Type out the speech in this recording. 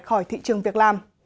khỏi thị trường việc làm